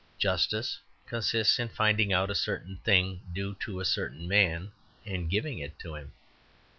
Justice consists in finding out a certain thing due to a certain man and giving it to him.